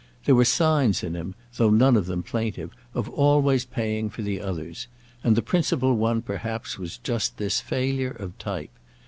There were signs in him, though none of them plaintive, of always paying for others; and the principal one perhaps was just this failure of type.